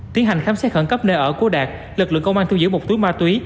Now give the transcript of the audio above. tiến hành khám xét khẩn cấp nơi ở của đạt lực lượng công an thu giữ một túi ma túy